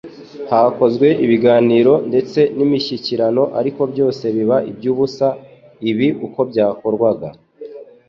Hakozwe ibiganiro ndetse n'imishyikirano, ariko byose biba iby'ubusa. Ibi uko byakorwaga,